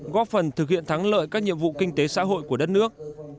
góp phần thực hiện thắng lợi các nhiệm vụ kinh tế xã hội của đất nước